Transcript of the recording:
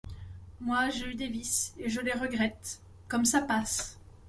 Moi, j’ai eu des vices, et je les regrette… comme ça passe !